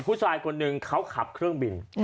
ผู้ชายคนหนึ่งเขาขับเครื่องบิน